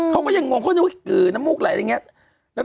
เขาก็อย่างงงค่อยนึกว่าขือน้ำมุกอะไรล่ะ